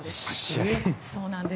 そうなんです。